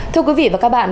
thưa quý vị và các bạn